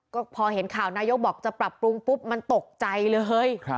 ก็พอเห็นข่าวนายกบอกจะปรับปรุงปุ๊บมันตกใจเลย